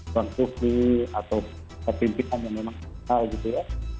bank kursi atau petimpikan yang memang keras gitu ya